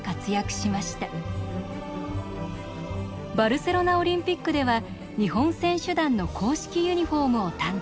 バルセロナオリンピックでは日本選手団の公式ユニフォームを担当。